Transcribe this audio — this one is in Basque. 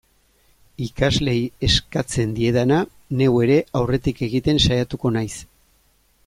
Ikasleei eskatzen diedana, neu ere aurretik egiten saiatuko naiz.